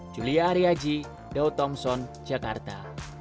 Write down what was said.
julia aryaji daud thompson jakarta